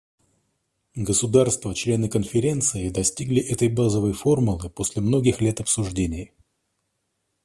Государства — члены Конференции достигли этой базовой формулы после многих лет обсуждений.